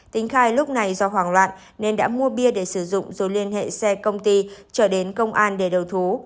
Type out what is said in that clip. tính khai lúc này do hoảng loạn nên đã mua bia để sử dụng rồi liên hệ xe công ty trở đến công an để đầu thú